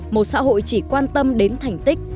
một xã hội chỉ quan tâm đến thành tích